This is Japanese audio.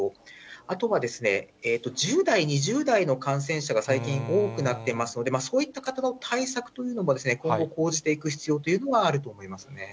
あとは１０代、２０代の感染者が最近、多くなってますので、そういった方の対策というのも今後、講じていく必要というのはあ